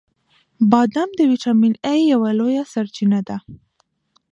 • بادام د ویټامین ای یوه لویه سرچینه ده.